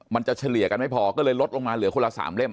เฉลี่ยกันไม่พอก็เลยลดลงมาเหลือคนละ๓เล่ม